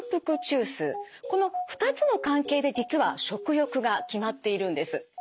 この２つの関係で実は食欲が決まっているんです。